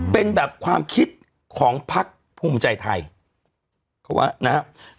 เป็นแบบความคิดของพักภูมิใจไทยเขาว่านะครับ